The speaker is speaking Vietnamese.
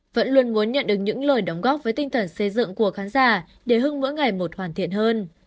vẫn luôn muốn nhận được những lời đóng góp với tinh thần xây dựng của khán giả để hưng mỗi ngày một hoàn thiện hơn